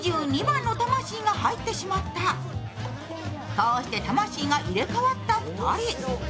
こうして魂が入れ替わった２人。